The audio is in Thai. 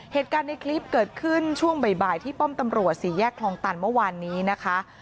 เหตุการณ์ในคลิปเกิดขึ้นช่วงบ่ายที่ป้อมตำรวจสี่แยกคลองตันเมื่อวานนี้นะคะ